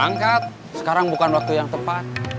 angkat sekarang bukan waktu yang tepat